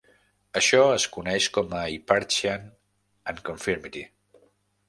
Això es coneix com a "Eparchaean Unconformity".